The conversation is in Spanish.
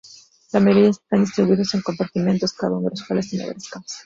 La mayoría están distribuidos en compartimentos, cada uno de los cuales tiene varias camas.